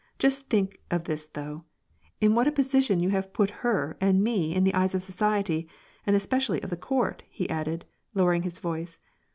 Just think of this though : in what a position you have put her and me in the eyes of society, and especially of the court," he added, lowering his voice.